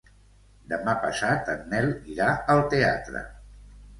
Demà passat en Nel irà al teatre.